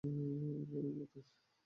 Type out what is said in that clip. ও ওর বাবার মতোই।